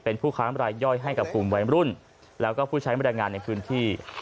เป็นผู้ค้ามรายย่อยให้กับกลุ่มวัยรุ่นแล้วก็ผู้ใช้บรรยายงานในพื้นที่